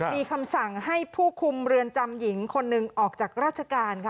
มีคำสั่งให้ผู้คุมเรือนจำหญิงคนหนึ่งออกจากราชการค่ะ